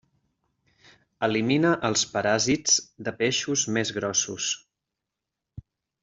Elimina els paràsits de peixos més grossos.